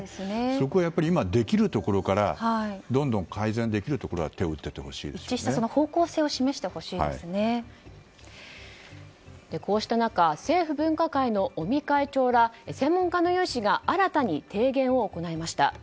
そこは今できることからどんどん改善できるところはこうした中政府分科会の尾身会長ら専門家の有志が新たに提言を行いました。